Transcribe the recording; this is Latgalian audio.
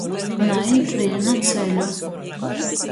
Naīt vīnu ceļu.